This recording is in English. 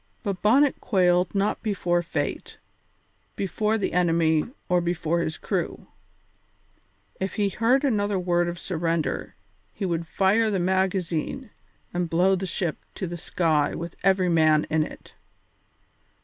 But Bonnet quailed not before fate, before the enemy, or before his crew; if he heard another word of surrender he would fire the magazine and blow the ship to the sky with every man in it.